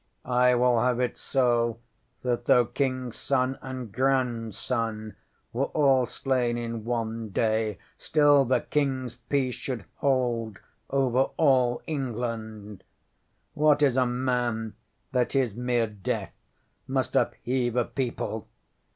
ŌĆ£I will have it so that though King, son, and grandson were all slain in one day, still the KingŌĆÖs peace should hold over all England! What is a man that his mere death must upheave a people?